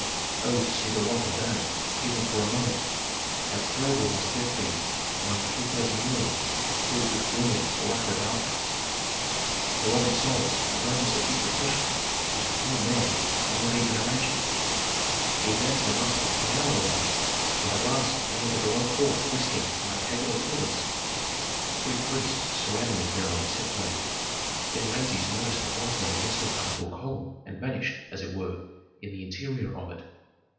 "Oh to see the light of day, even for a moment! How terrible must death be among three thousand rooms filled with gloom or utter darkness!" Heroic souls have moments of deep depression which the common man cannot even imagine. The advance had lasted an hour almost when at last they entered a low hall resting on octagonal pillars. The three priests surrounding the pharaoh, separated then Rameses noticed that one of them nestled up to a column and vanished, as it were, in the interior of it.